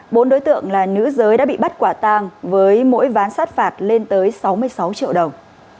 bốn đối tượng là nữ giới đã bị bắt quả tàng với mỗi ván sát phạt lên tới sáu mươi sáu triệu đồng